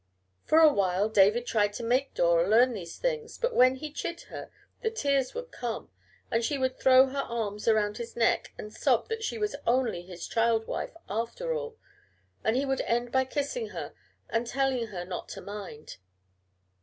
For a while David tried to make Dora learn these things, but when he chid her the tears would come, and she would throw her arms around his neck and sob that she was only his child wife after all, and he would end by kissing her and telling her not to mind.